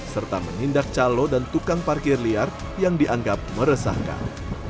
serta menindak calo dan tukang parkir liar yang dianggap meresahkan